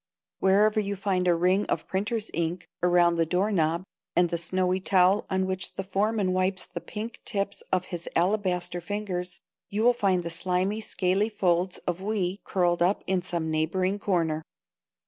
Wherever you find a ring of printer's ink around the door knob, and the snowy towel on which the foreman wipes the pink tips of his alabaster fingers, you will find the slimy, scaly folds of "we" curled up in some neighboring corner.